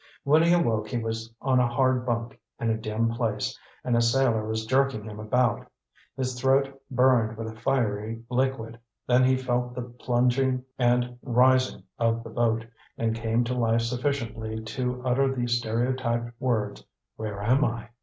When he awoke he was on a hard bunk in a dim place, and a sailor was jerking him about. His throat burned with a fiery liquid. Then he felt the plunging and rising of the boat, and came to life sufficiently to utter the stereotyped words, "Where am I?"